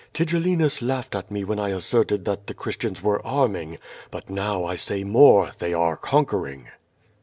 "Tigellinus laughed at me when I asserted that the Cliristians were arm ing, but now I say more, they are conquering."